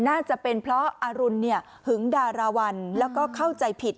น่าจะเป็นเพราะอรุณหึงดาราวัลแล้วก็เข้าใจผิด